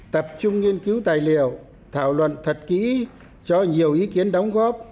tập trung nghiên cứu tài liệu thảo luận thật kỹ cho nhiều ý kiến đóng góp